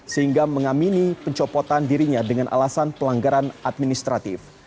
sehingga mengamini pencopotan dirinya dengan alasan pelanggaran administratif